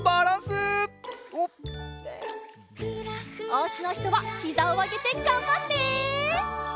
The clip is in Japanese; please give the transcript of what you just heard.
おうちのひとはひざをあげてがんばって！